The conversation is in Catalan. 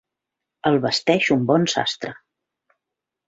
El vesteix un bon sastre.